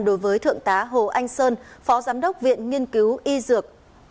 đối với thượng tá hồ anh sơn phó giám đốc viện nghiên cứu y dược